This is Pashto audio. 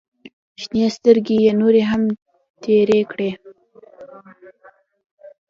شنې سترګې يې نورې هم تېرې کړې.